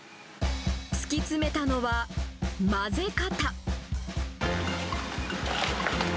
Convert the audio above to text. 突き詰めたのは、混ぜ方。